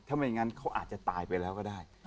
ถ้าไม่งั้นเขาอาจจะตายไปแล้วก็ได้